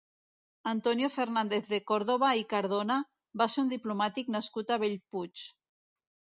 Antonio Fernández de Còrdova i Cardona va ser un diplomàtic nascut a Bellpuig.